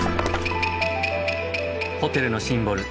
ホテルのシンボル